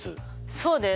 そうです。